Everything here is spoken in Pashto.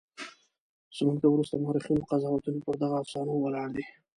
زموږ د وروسته مورخینو قضاوتونه پر دغو افسانو ولاړ دي.